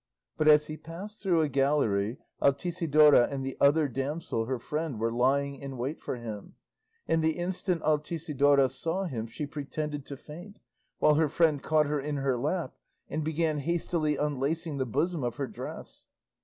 But as he passed through a gallery, Altisidora and the other damsel, her friend, were lying in wait for him, and the instant Altisidora saw him she pretended to faint, while her friend caught her in her lap, and began hastily unlacing the bosom of her dress.